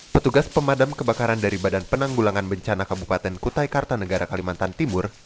petugas pemadam kebakaran dari badan penanggulangan bencana kabupaten kutai kartanegara kalimantan timur